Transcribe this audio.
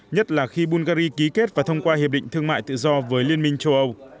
nhất là khi bungary ký kết và thông qua hiệp định thương mại tự do với liên minh châu âu